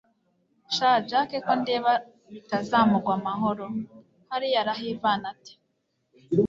sha jack kondeba bitazamugwa amahoro!hariya arahivana ate